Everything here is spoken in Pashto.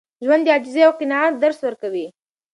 ژوند د عاجزۍ او قناعت درس ورکوي.